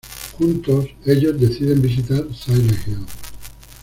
Juntos, ellos deciden visitar Silent Hill.